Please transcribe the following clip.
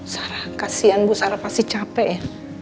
sarah kasian bu sarah pasti capek ya